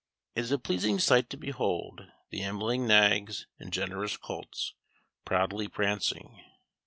It is a pleasing sight to behold the ambling nags and generous colts, proudly prancing."